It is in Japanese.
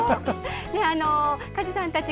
梶さんたち